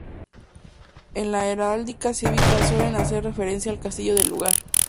En heráldica cívica, suele hacer referencia al castillo del lugar.